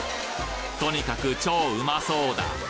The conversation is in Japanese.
とにかく超うまそうだ！